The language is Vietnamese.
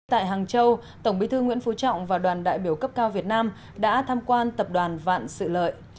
tại hàng châu tổng bí thư nguyễn phú trọng và đoàn đại biểu cấp cao việt nam đã tham quan tập đoàn vạn sự lợi